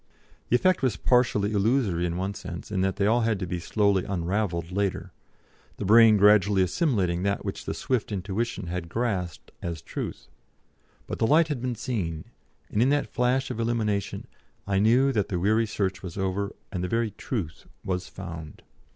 The effect was partially illusory in one sense, in that they all had to be slowly unravelled later, the brain gradually assimilating that which the swift intuition had grasped as truth. But the light had been seen, and in that flash of illumination I knew that the weary search was over and the very Truth was found.